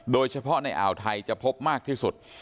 โดยเฉพาะในอ่าวไทยจะพบมากที่สุด